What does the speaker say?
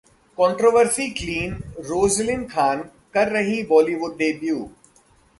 controversy queen Rozlyn Khan कर रही हैं बॉलीवुड डेब्यू